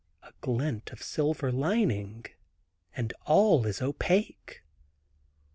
A glint of silver lining and all is opaque.